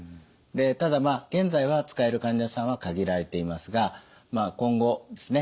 ただ現在は使える患者さんは限られていますが今後ですね